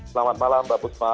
selamat malam mbak busma